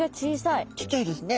ちっちゃいですね。